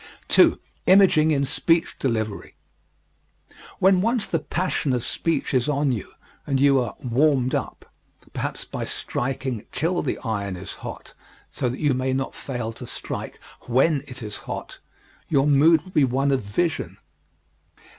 2. Imaging in Speech Delivery When once the passion of speech is on you and you are "warmed up" perhaps by striking till the iron is hot so that you may not fail to strike when it is hot your mood will be one of vision.